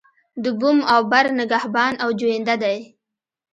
د بوم او بر نگهبان او جوینده دی.